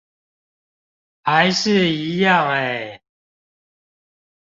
還是一樣欸